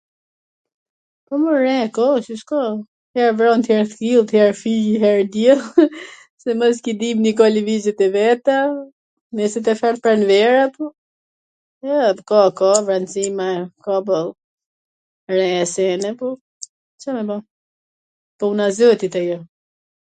po, mor, re ka, si s ka, her vrant her kthillt, her hij her diell, sidomos qi dimri ka livizjet e veta, neser t afron pranvera po, ka, ka, vransi me... re sene ... ka boll... Ca me ba, puna e zotit ajo